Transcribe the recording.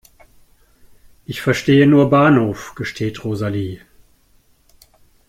"Ich verstehe nur Bahnhof", gesteht Rosalie.